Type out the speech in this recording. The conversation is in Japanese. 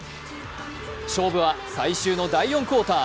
勝負は最終の第４クオーター。